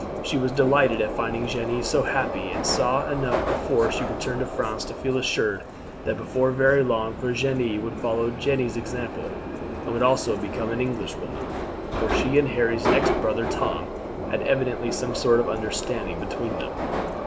She was delighted at finding Jeanne so happy, and saw enough before she returned to France to feel assured that before very long Virginie would follow Jeanne's example, and would also become an Englishwoman, for she and Harry's next brother Tom had evidently some sort of understanding between them.